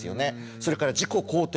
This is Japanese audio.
それから「自己肯定感」。